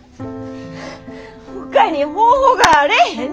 ほかに方法があれへんねん！